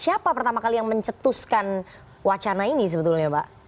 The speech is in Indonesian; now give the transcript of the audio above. siapa pertama kali yang mencetuskan wacana ini sebetulnya pak